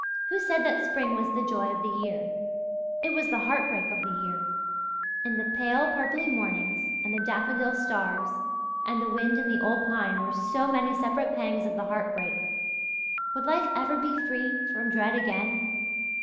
Who said that spring was the joy of the year? It was the heart break of the year. And the pale purply mornings and the daffodil stars and the wind in the old pine were so many separate pangs of the heart break. Would life ever be free from dread again?